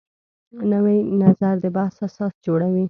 نوی نظر د بحث اساس جوړوي